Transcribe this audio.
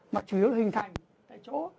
mà chủ yếu là hình thành tại chỗ